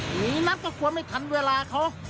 หนีนับก็กลัวไม่ทันเวลาเขา